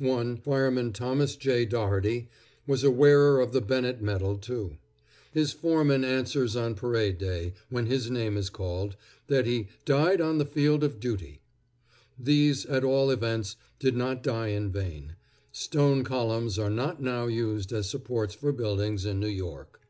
One, Fireman Thomas J. Dougherty, was a wearer of the Bennett medal, too. His foreman answers on parade day, when his name is called, that he "died on the field of duty." These, at all events, did not die in vain. Stone columns are not now used as supports for buildings in New York.